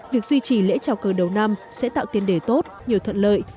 việc duy trì lễ trào cờ đầu năm sẽ tạo tiền đề tốt nhiều thuận lợi